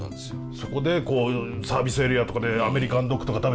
そこでこういうサービスエリアとかでアメリカンドッグとか食べて。